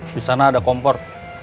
di sana ada kompor